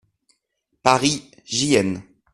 Paris, J.-N.